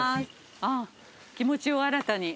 あっ気持ちを新たに。